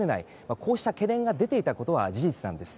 こうした懸念が出ていたことは事実なんです。